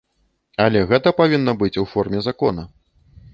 Але гэта павінна быць у форме закона.